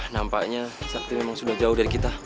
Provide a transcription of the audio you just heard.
nampaknya sakti memang sudah jauh dari kita